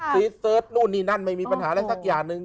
ซีดเสิร์ชนู่นนี่นั่นไม่มีปัญหาอะไรสักอย่างหนึ่ง